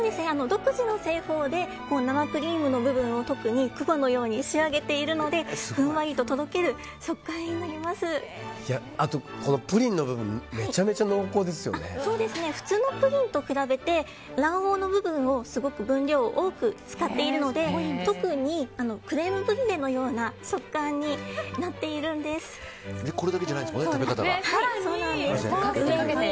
独自の製法で生クリームの部分を雲のように仕上げているのでふんわりととろけるプリンの部分普通のプリンと比べて卵黄の部分をすごく分量を多く使っているので特にクレームブリュレのような食感にこれだけじゃないんですもんね